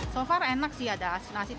so far enak sih ada